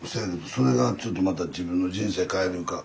それがちょっとまた自分の人生変えるんか。